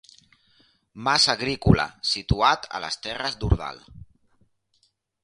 Mas agrícola, situat a les serres d'Ordal.